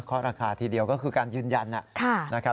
เคาะราคาทีเดียวก็คือการยืนยันนะ